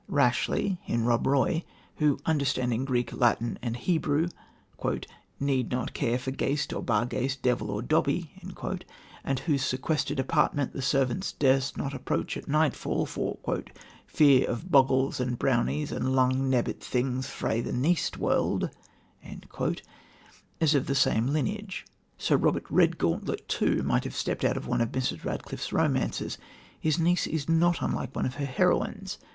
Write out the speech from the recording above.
Rashleigh, in Rob Roy, who, understanding Greek, Latin and Hebrew, "need not care for ghaist or barghaist, devil or dobbie," and whose sequestered apartment the servants durst not approach at nightfall for "fear of bogles and brownies and lang nebbit things frae the neist world," is of the same lineage. Sir Robert Redgauntlet, too, might have stepped out of one of Mrs. Radcliffe's romances. His niece is not unlike one of her heroines.